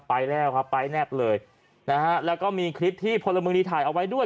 ไปแล้วครับไปแนบเลยนะฮะแล้วก็มีคลิปที่พลเมืองดีถ่ายเอาไว้ด้วย